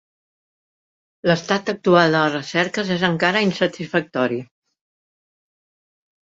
L'estat actual de les recerques és encara insatisfactori.